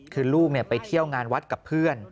คือลูกไปเที่ยวงานวัดกับเพื่อน